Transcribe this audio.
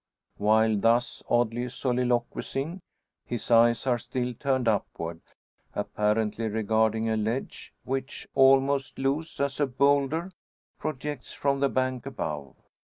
While thus oddly soliloquising, his eyes are still turned upward, apparently regarding a ledge which, almost loose as a boulder, projects from the bank above.